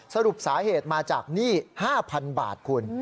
สรุปสาเหตุมาจากหนี้๕๐๐๐บาทคุณ